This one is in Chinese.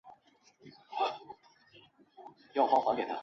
却接到爸爸打来的电话